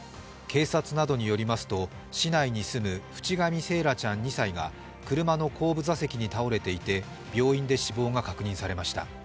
警察などによりますと市内に住む渕上惺愛ちゃん２歳が車の後部座席に倒れていて病院で死亡が確認されました。